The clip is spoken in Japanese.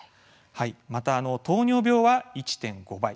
また糖尿病は１．５倍。